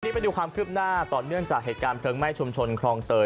ไปดูความคืบหน้าต่อเนื่องจากเหตุการณ์เพลิงไหม้ชุมชนคลองเตย